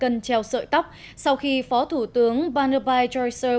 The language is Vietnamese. cần treo sợi tóc sau khi phó thủ tướng barnaby joycer